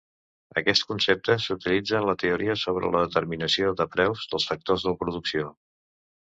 Aquest concepte s'utilitza en la teoria sobre la determinació de preus dels factors de producció.